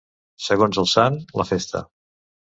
Segons el sant, la festa.